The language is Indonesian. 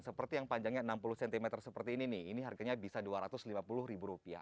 seperti yang panjangnya enam puluh cm seperti ini nih ini harganya bisa rp dua ratus lima puluh